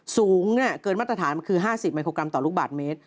สูงเกินมาตรฐานคือ๕๐มิโครกรัมต่อลูกบาทเมตร